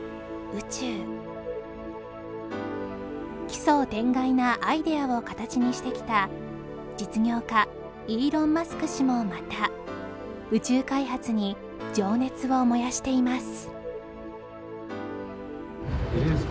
奇想天外なアイデアを形にしてきた実業家イーロン・マスク氏もまた宇宙開発に情熱を燃やしています